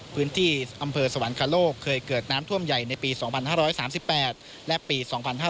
พื้นที่อำเภอสวรรคโลกเคยเกิดน้ำท่วมใหญ่ในปี๒๕๓๘และปี๒๕๕๙